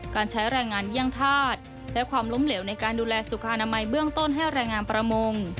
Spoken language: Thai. การใช้แรงงานเยี่ยงธาตุและความล้มเหลวในการดูแลสุขอนามัยเบื้องต้นให้แรงงานประมง